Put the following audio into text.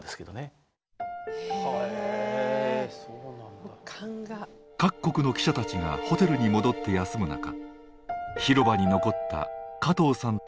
だって各国の記者たちがホテルに戻って休む中広場に残った加藤さんとカメラマン。